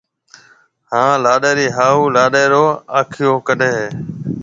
ھاڻ لاڏَي رِي ھاھُو لاڏَي رو آکيو ڪاڊَي ھيََََ